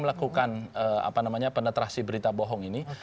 melakukan penetrasi berita bohong ini